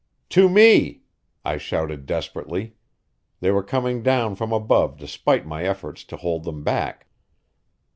"To me!" I shouted desperately; they were coming down from above despite my efforts to hold them back.